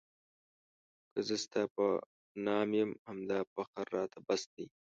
که زه ستا په نام یم همدا فخر راته بس دی.